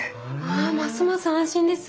あますます安心です。